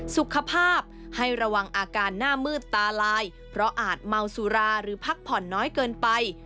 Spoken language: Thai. สุขภาพให้ระวังอาการหน้ามืดตาลายเพราะอาจเมาสุราหรือพักผ่อนน้อยเกินไป